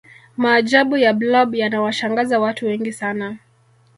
maajabu ya blob yanawashangaza watu wengi sana